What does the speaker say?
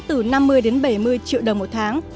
từ năm mươi đến bảy mươi triệu đồng một tháng